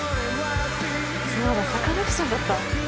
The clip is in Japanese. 「そうだサカナクションだった」